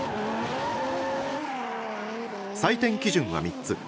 採点基準は３つ。